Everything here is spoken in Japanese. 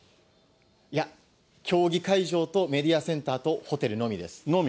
いや、競技会場とメディアセンターとホテルのみです。